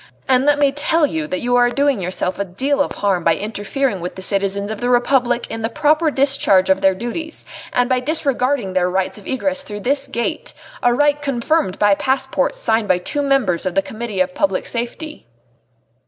And let me tell you that you are doing yourself a deal of harm by interfering with the citizens of the Republic in the proper discharge of their duties, and by disregarding their rights of egress through this gate, a right confirmed by passports signed by two members of the Committee of Public Safety."